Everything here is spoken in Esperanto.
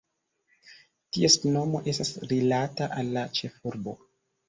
Ties nomo estas rilata al la ĉefurbo.